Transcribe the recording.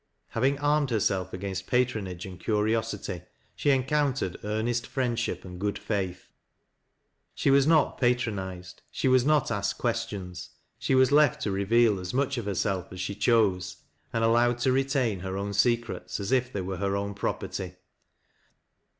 Having armed herself against patronage and curiosity, she encountered earnest friend ship and good faith. She was not patronized, she was not asked questions, she was left to reveal as much of herself as she chose, and allowed to retain her own secrete as if they were her own property.